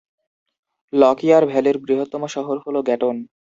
লকিয়ার ভ্যালির বৃহত্তম শহর হল গ্যাটন।